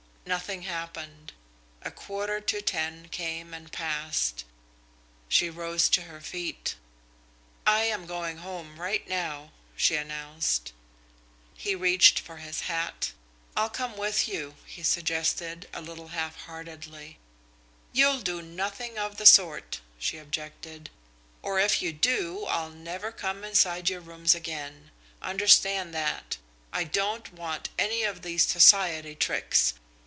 Nothing happened. A quarter to ten came and passed. She rose to her feet. "I am going home right now," she announced. He reached for his hat. "I'll come with you," he suggested, a little halfheartedly. "You'll do nothing of the sort," she objected, "or if you do, I'll never come inside your rooms again. Understand that. I don't want any of these Society tricks.